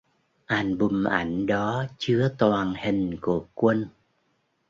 Album ảnh đó chứa toàn hình của quân